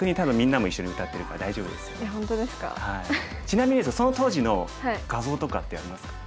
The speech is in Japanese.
ちなみにその当時の画像とかってありますか？